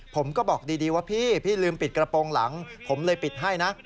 ผมก็บอกดีว่าพี่พี่ลืมปิดกระโปรงหลังผมเลยปิดให้นะ